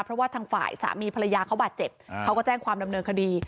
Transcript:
เพราะว่าทางฝ่ายสามีภรรยาเขาบาดเจ็บเขาก็แจ้งความดำเนินคดี